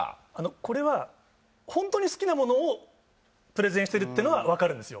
これはホントに好きなものをプレゼンしてるっていうのは分かるんですよ